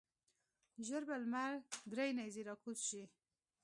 ژر به لمر درې نیزې راکوز شي.